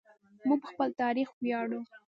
موږ په خپل تاریخ ویاړو.